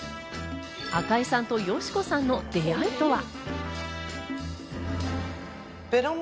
赤井さんと佳子さんの出会いとは。